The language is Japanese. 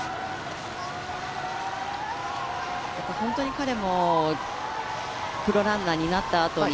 彼もプロランナーになったあとに